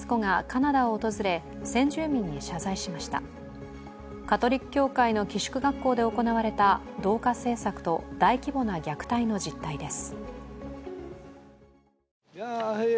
カトリック教会の寄宿学校で行われた同化政策と大規模な虐待の実態です。